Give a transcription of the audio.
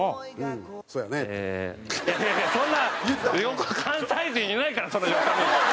いやいやいやそんな横関西人いないからその横に。